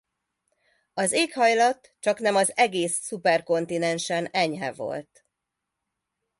Az éghajlat csaknem az egész szuperkontinensen enyhe volt.